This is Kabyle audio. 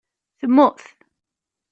Temmut?